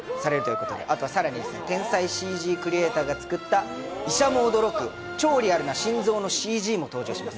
さらに天才ＣＧクリエイターが作った、医者も驚く超リアルな心臓のＣＧが登場します。